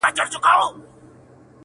که قتل غواړي، نه یې غواړمه په مخه یې ښه.